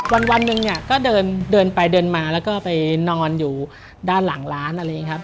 วันหนึ่งเนี่ยก็เดินเดินไปเดินมาแล้วก็ไปนอนอยู่ด้านหลังร้านอะไรอย่างนี้ครับ